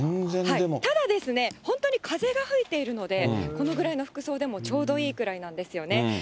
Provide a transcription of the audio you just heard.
ただですね、本当に風が吹いているので、このぐらいの服装でもちょうどいいくらいなんですよね。